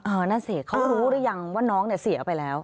นั่นสิเขารู้หรือยังว่าน้องเนี่ยเสียไปแล้ว